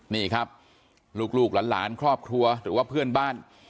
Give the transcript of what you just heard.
นี่ครับลูกหลานครอบครัวหรือว่าเพื่อนบ้าน